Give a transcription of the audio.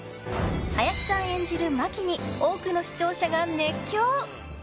林さん演じる牧に多くの視聴者が熱狂。